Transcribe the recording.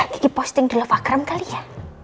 kiki posting di love akram kali ya